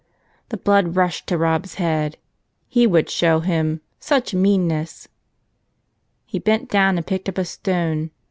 The blood rushed to Rob's head. He would show him! Such meanness! He bent down and picked up a stone.